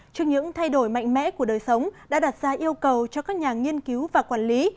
trước những thay đổi mạnh mẽ của đời sống đã đặt ra yêu cầu cho các nhà nghiên cứu và quản lý